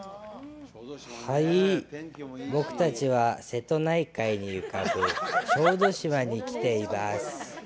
僕たちは瀬戸内海に浮かぶ小豆島に来ています。